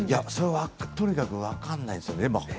とにかく分からないですよね。